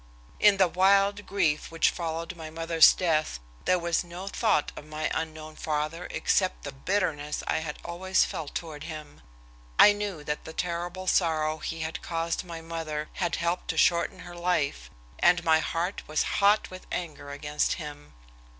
In the wild grief which followed my mother's death there was no thought of my unknown father except the bitterness I had always felt toward him. I knew that the terrible sorrow he had caused my mother had helped to shorten her life, and my heart was hot with anger against him.